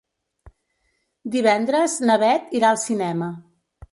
Divendres na Beth irà al cinema.